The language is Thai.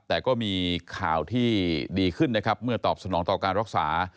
แต่ก็มีข่าวที่ดีขึ้นนะครับเมื่อตอบสนองต่อการรักษา